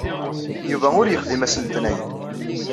Yuba ur yexdim ass n letniyen.